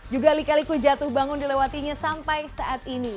juga lika liku jatuh bangun dilewatinya sampai saat ini